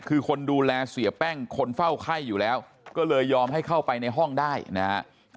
คือคนดูแลเสียแป้งคนเฝ้าไข้อยู่แล้วก็เลยยอมให้เข้าไปในห้องได้นะครับ